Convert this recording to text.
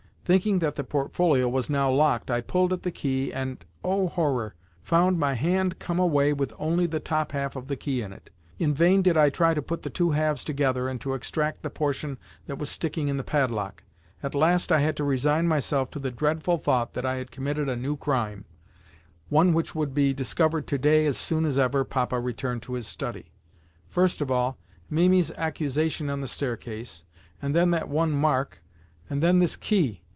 Thinking that the portfolio was now locked, I pulled at the key and, oh horror! found my hand come away with only the top half of the key in it! In vain did I try to put the two halves together, and to extract the portion that was sticking in the padlock. At last I had to resign myself to the dreadful thought that I had committed a new crime—one which would be discovered to day as soon as ever Papa returned to his study! First of all, Mimi's accusation on the staircase, and then that one mark, and then this key!